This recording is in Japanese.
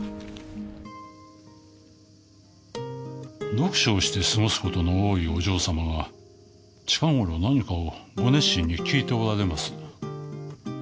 読書をして過ごすことの多いお嬢様が近頃何かをご熱心に聞いておられます